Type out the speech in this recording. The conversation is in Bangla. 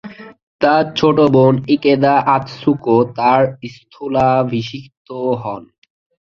তার ছোট বোন ইকেদা আতসুকো তার স্থলাভিষিক্ত হন।